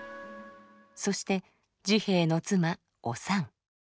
そして治兵衛の妻おさん。